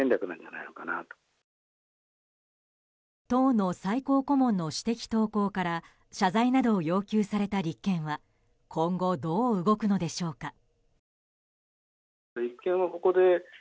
党の最高顧問の私的投稿から謝罪などを要求された立憲は今後、どう動くのでしょうか。